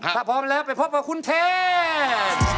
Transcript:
ถ้าพร้อมแล้วไปพบกับคุณเทพ